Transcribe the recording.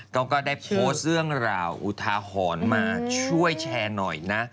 ก็ได้โพสต์เรื่องราวอุทาหรณ์มาช่วยแชร์หน่อยนะ